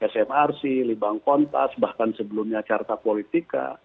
smrc libang kontras bahkan sebelumnya carta politika